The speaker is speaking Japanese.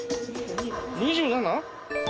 ２７